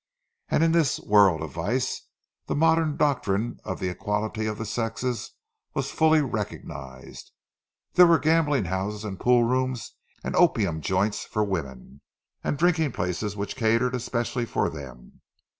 And in this world of vice the modern doctrine of the equality of the sexes was fully recognized; there were gambling houses and pool rooms and opium joints for women, and drinking places which catered especially for them.